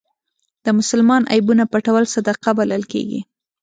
د مسلمان عیبونه پټول صدقه بلل کېږي.